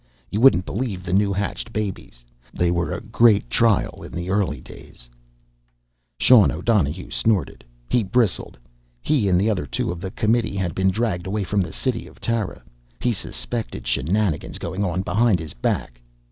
You wouldn't believe the new hatched babies! They were a great trial, in the early days!" Sean O'Donohue snorted. He bristled. He and the other two of the committee had been dragged away from the city of Tara. He suspected shenanigans going on behind his back.